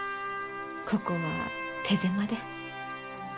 ここは手狭で。